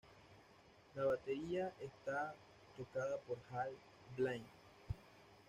La batería está tocada por Hal Blaine.